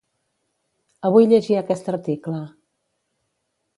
Avui llegia aquest article.